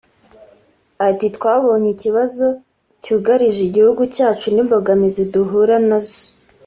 Ati “Twabonye ikibazo cyugarije igihugu cyacu n’imbogamizi duhura na zo